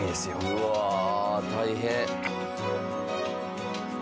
うわあ大変。